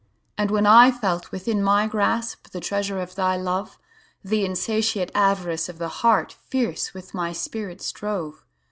And when I felt within my grasp, The treasure of thy love; The insatiate avarice of the heart Fierce with my spirit strove.